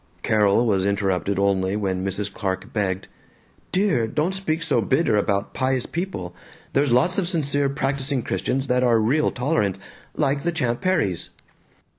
Carol was interrupted only when Mrs. Clark begged, "Dear, don't speak so bitter about 'pious' people. There's lots of sincere practising Christians that are real tolerant. Like the Champ Perrys."